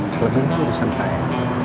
selebihnya urusan saya